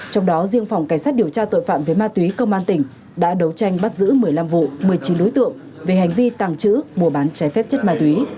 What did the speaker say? trong đó riêng phòng cảnh sát điều tra tội phạm về ma túy công an tỉnh đã đấu tranh bắt giữ một mươi năm vụ một mươi chín đối tượng về hành vi tàng trữ mua bán trái phép chất ma túy